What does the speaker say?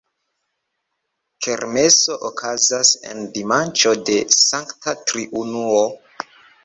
Kermeso okazas en dimanĉo de Sankta Triunuo.